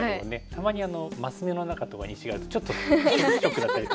たまに升目の中とかに石があるとちょっとショックだったり。